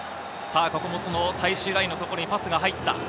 ここも最終ラインのところにパスが入った。